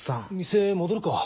店戻るか。